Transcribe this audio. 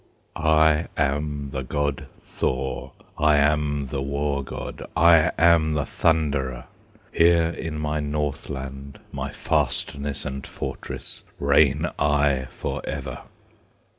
I am the God Thor, I am the War God, I am the Thunderer! Here in my Northland, My fastness and fortress, Reign I forever!